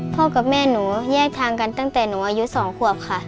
กับแม่หนูแยกทางกันตั้งแต่หนูอายุ๒ขวบค่ะ